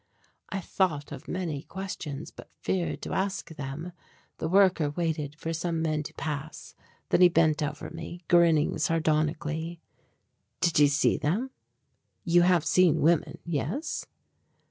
I thought of many questions but feared to ask them. The worker waited for some men to pass, then he bent over me, grinning sardonically. "Did you see them? You have seen women, yes?"